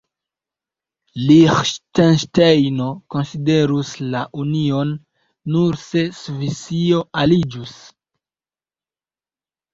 Liĥtenŝtejno konsiderus la union, nur se Svisio aliĝus.